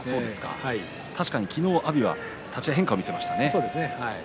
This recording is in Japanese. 確かに昨日、阿炎は立ち合い変化を見せました。